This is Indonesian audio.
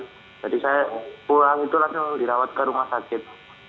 jadi saya pulang itu langsung dirawat ke rumah sakit